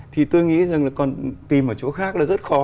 thì tôi nghĩ rằng là còn tìm ở chỗ khác là rất khó